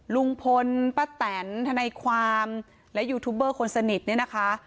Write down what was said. ลุงพลป้าแตนทนายความและยูทูบเบอร์คนสนิทเนี่ยนะคะ